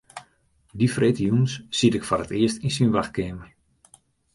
Dy freedtejûns siet ik foar it earst yn syn wachtkeamer.